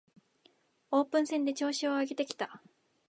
オープン戦で調子を上げてきた